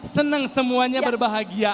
senang semuanya berbahagia